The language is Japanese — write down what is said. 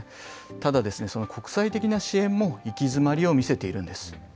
ただですね、国際的な支援も行き詰まりを見せているんです。